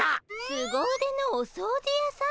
すご腕のお掃除やさん？